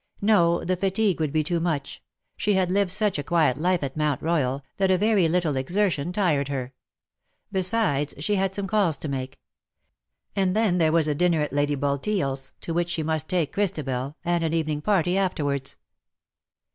No, the fatigue would be too much — she had lived such a quiet life at Mount Royal, that a very little exertion tired her. Besides she had some calls to make; and then there was a dinner at Lady Bulteel's, to which she must take Christabel, and an evening party afterwards.